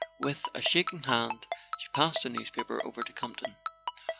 With a shaking hand she passed the newspaper over to Campton.